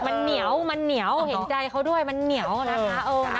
มันเหนียวเห็นใจเขาด้วยมันเหนียวนะคะ